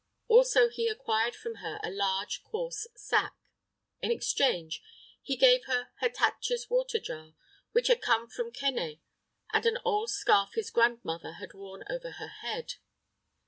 Also he acquired from her a large, coarse sack. In exchange he gave her Hatatcha's water jar, which had come from Keneh, and an old scarf his grandmother had worn over her head.